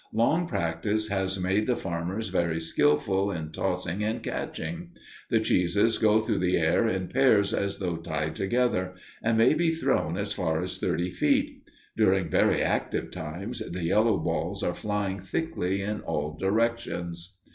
Long practice has made the farmers very skilful in tossing and catching; the cheeses go through the air in pairs as though tied together, and may be thrown as far as thirty feet. During very active times, the yellow balls are flying thickly in all directions.